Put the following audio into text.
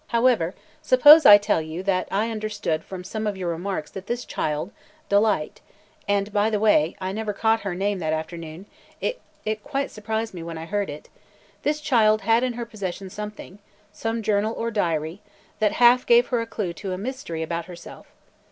However, suppose I tell you that I understood from some of your remarks that this child, Delight (and, by the way, I never caught her name that afternoon; it – it quite surprised me when I heard it!) – this child had in her possession something – some journal or diary – that half gave her a clue to a mystery about herself.